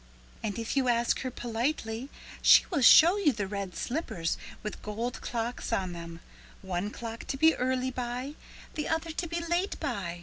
"And if you ask her politely, she will show you the red slippers with gold clocks on them, one clock to be early by, the other to be late by.